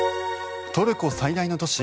トルコ最大の都市